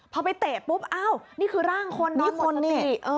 พอไปเตะปุ๊บอ้าวนี่คือร่างคนนี่คนนี่